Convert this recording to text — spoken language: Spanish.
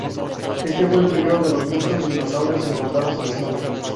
Este fue el primero de los muchos dinosaurios encontrados en la zona.